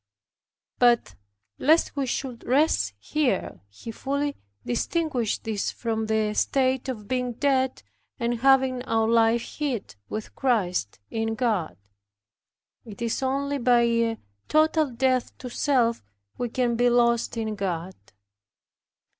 But, lest we should rest here, he fully distinguishes this from the state of being dead and having our life hid with Christ in God. It is only by a total death to self we can be lost in God.